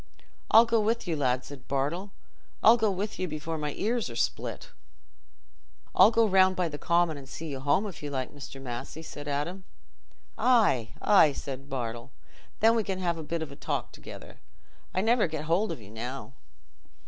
"I'll go with you, lad," said Bartle; "I'll go with you before my ears are split." "I'll go round by the Common and see you home, if you like, Mr. Massey," said Adam. "Aye, aye!" said Bartle; "then we can have a bit o' talk together. I never get hold of you now."